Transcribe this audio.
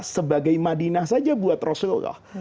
sebagai madinah saja buat rasulullah